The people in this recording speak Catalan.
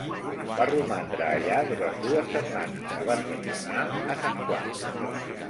Va romandre allà durant dues setmanes abans de tornar a San Juan.